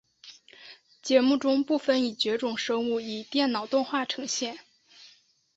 节目中部分已绝种生物以电脑动画呈现。